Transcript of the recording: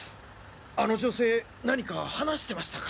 あの女性何か話してましたか？